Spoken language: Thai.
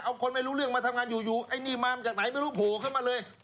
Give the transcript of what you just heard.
เอาคนไม่รู้เรื่องมาทำงานอยู่อยู่ไอ้นี่มาจากไหนไม่รู้โผล่ขึ้นมาเลย